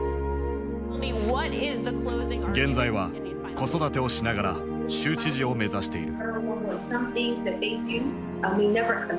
現在は子育てをしながら州知事を目指している。